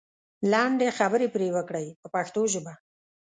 لنډې خبرې پرې وکړئ په پښتو ژبه.